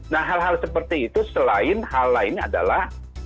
nah hal hal seperti itu selain hal lainnya adalah